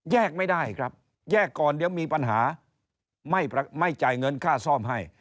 ไม่ได้ครับแยกก่อนเดี๋ยวมีปัญหาไม่จ่ายเงินค่าซ่อมให้